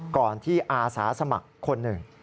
ก่อนที่อาสาสมัครคนหนึ่ง